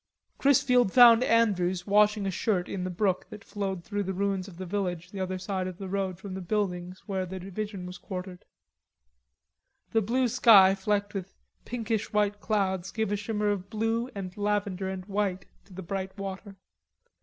Chrisfield found Andrews washing a shirt in the brook that flowed through the ruins of the village the other side of the road from the buildings where the division was quartered. The blue sky flicked with pinkish white clouds gave a shimmer of blue and lavender and white to the bright water.